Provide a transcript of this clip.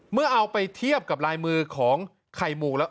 เมื่อเอาไปเทียบกับลายมือของไข่หมูกแล้ว